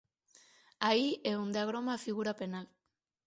Aí é onde agroma a figura penal.